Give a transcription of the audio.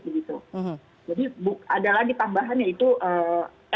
jadi ada lagi tambahan yaitu sdm dokter